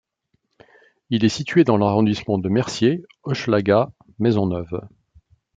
Il est situé dans l'arrondissement de Mercier–Hochelaga-Maisonneuve.